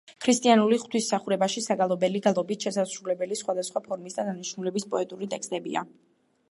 ქრისტიანულ ღვთისმსახურებაში საგალობელი გალობით შესასრულებელი სხვადასხვა ფორმისა და დანიშნულების პოეტური ტექსტებია.